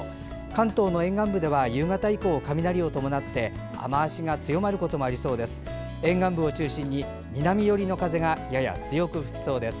関東の沿岸部では夕方以降、雷を伴って雨足が強まることもありそうです。